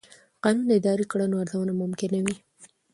قانون د اداري کړنو ارزونه ممکنوي.